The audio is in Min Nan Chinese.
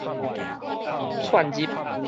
竄入